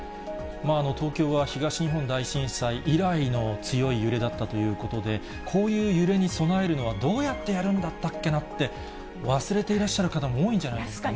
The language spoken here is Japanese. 東京は東日本大震災以来の強い揺れだったということで、こういう揺れに備えるのは、どうやってやるんだったっけなって、忘れていらっしゃる方も多いんじゃないですかね。